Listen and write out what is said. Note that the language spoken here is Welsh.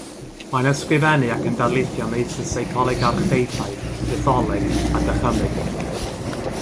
Mae'n ysgrifennu ac yn darlithio ym meysydd seicoleg archdeipaidd, mytholeg a dychymyg.